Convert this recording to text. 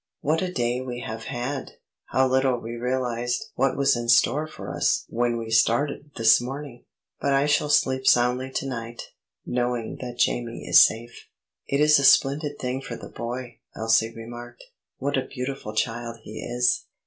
"What a day we have had! How little we realised what was in store for us when we started this morning! But I shall sleep soundly to night, knowing that Jamie is safe." "It is a splendid thing for the boy," Elsie remarked. "What a beautiful child he is!"